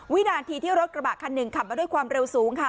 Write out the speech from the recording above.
วินาทีที่รถกระบะคันหนึ่งขับมาด้วยความเร็วสูงค่ะ